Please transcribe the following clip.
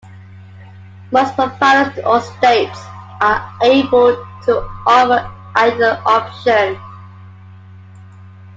Most providers or states are able to offer either option.